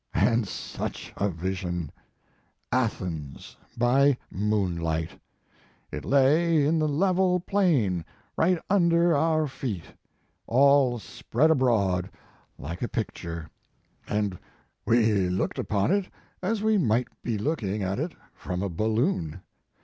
and such a vision! Athens by moonlight! It lay in the level plain, right under our feet all spread abroad like a picture, and we looked upon it as we might be looking at it from a balloon.